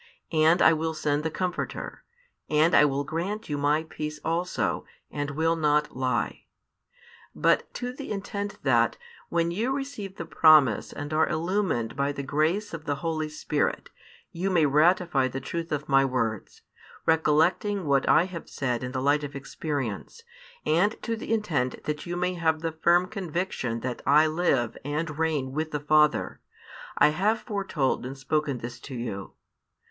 And I will send the Comforter, and I will grant you My peace also, and will not lie; but to the intent that, when you: receive the promise and are illumined by the grace of |358 the Holy Spirit, you may ratify the truth of My words, recollecting what I have said in the light of experience, and to the intent that you may have the firm conviction that I live and reign with the Father, I have foretold and spoken this to you.